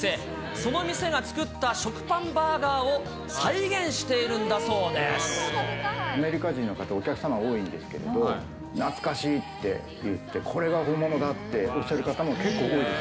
その店が作った食パンバーガーをアメリカ人の方、お客様多いんですけれど、懐かしいって言って、これが本物だっておっしゃる方も結構多いです。